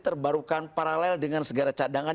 terbarukan paralel dengan segara cadangan